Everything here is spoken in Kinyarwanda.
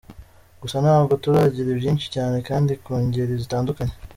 Gusa ntabwo turagira byinshi cyane kandi ku ngeri zitandukanye.